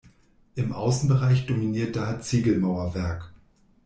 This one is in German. Im Außenbereich dominiert daher Ziegelmauerwerk.